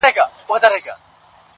ځینې لوبې فکري وړتیا زیاتوي